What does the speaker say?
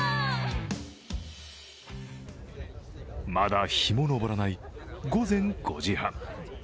まだ日も昇らない午前５時半。